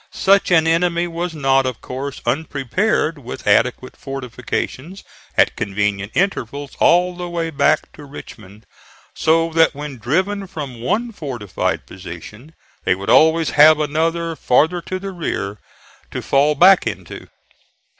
Such an enemy was not, of course, unprepared with adequate fortifications at convenient intervals all the way back to Richmond, so that when driven from one fortified position they would always have another farther to the rear to fall back into.